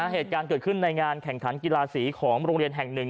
เหตุการณ์เกิดขึ้นในงานแข่งขันกีฬาสีของโรงเรียนแห่งหนึ่ง